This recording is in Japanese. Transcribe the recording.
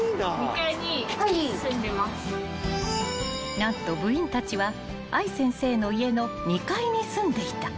［何と部員たちは愛先生の家の２階に住んでいた］